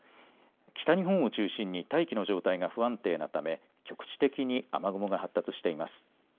北日本を中心に大気の状態が不安定なため局地的に雨雲が発達しています。